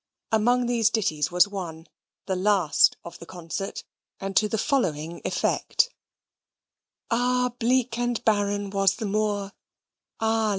Among these ditties was one, the last of the concert, and to the following effect: Ah! bleak and barren was the moor, Ah!